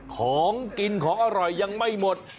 ของกินของอร่อยยังไม่หมด